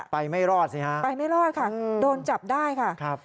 ไม่รอดสิฮะไปไม่รอดค่ะโดนจับได้ค่ะครับ